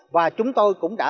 và chúng tôi cũng đã